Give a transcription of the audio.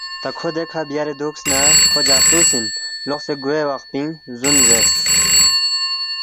تا کھو دیہا بیارے دُوکس نہ کھو جاسُوس اِن لوقسے گوے وخ پِنگ زوُن“ زیرس